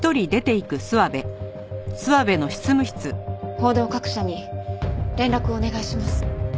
報道各社に連絡をお願いします。